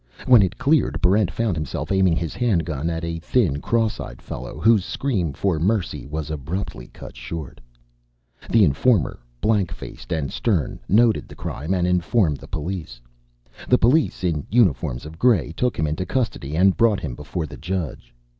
When it cleared, Barrent found himself aiming his handgun at a thin, cross eyed fellow whose scream for mercy was abruptly cut short. The informer, blank faced and stern, noted the crime and informed the police. The police, in uniforms of gray, took him into custody and brought him before the judge.